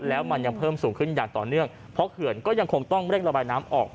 แล้วมันยังเพิ่มสูงขึ้นอย่างต่อเนื่องเพราะเขื่อนก็ยังคงต้องเร่งระบายน้ำออก